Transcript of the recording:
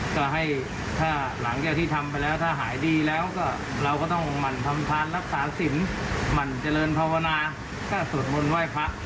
ก็ให้ถ้าหลังจากที่ทำไปแล้วถ้าหายดีแล้วก็เราก็ต้องหมั่นทำทานรักษาสินหมั่นเจริญภาวนาก็สวดมนต์ไหว้พระ